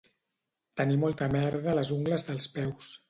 Tenir molta merda a les ungles dels peus.